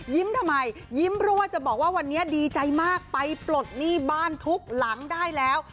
ทำไมยิ้มรั่วจะบอกว่าวันนี้ดีใจมากไปปลดหนี้บ้านทุกหลังได้แล้ว